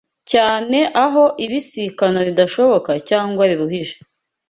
cyane aho ibisikana ridashoboka cyangwa riruhije